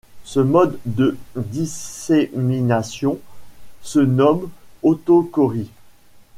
Ce mode de dissémination se nomme autochorie.